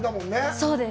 そうです。